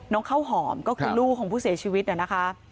ข้าวหอมก็คือลูกของผู้เสียชีวิตนะคะ